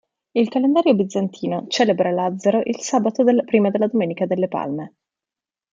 Il calendario bizantino celebra Lazzaro il sabato prima della Domenica delle Palme.